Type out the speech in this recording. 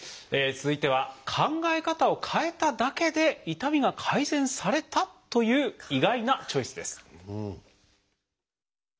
続いては考え方を変えただけで痛みが改善されたという意外なチョイスです。